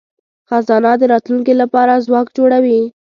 خزانه د راتلونکي لپاره ځواک جوړوي.